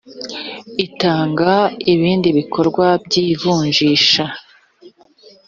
itanga ibindi bikorwa by ‘ivunjisha.